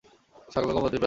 শালগম অতি প্রাচীন সবজি।